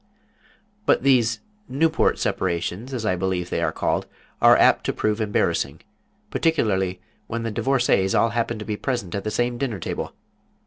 But these Newport separations, as I believe they are called, are apt to prove embarrassing, particularly when the divorcées all happen to be present at the same dinner table.